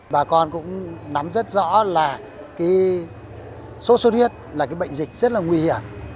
bà con cũng nắm rất rõ là cái số suốt huyết là cái bệnh dịch rất là nguy hiểm